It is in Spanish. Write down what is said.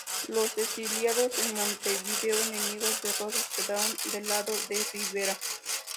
Los exiliados en Montevideo, enemigos de Rosas, quedaron del lado de Rivera.